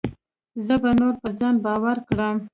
زه به نور پر ځان باوري کړم.